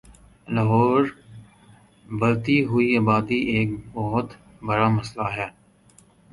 لاہور بڑھتی ہوئی آبادی ایک بہت بڑا مسلہ ہے